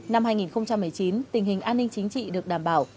năm hai nghìn một mươi chín tình hình an ninh chính trị được đảm bảo